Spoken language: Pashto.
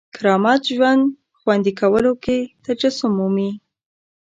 کرامت ژوند خوندي کولو کې تجسم مومي.